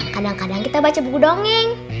kadang kadang kita baca buku dongeng